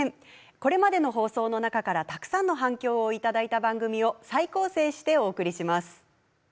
これまでの放送の中からたくさんの反響を頂いた番組を再構成してお送りします。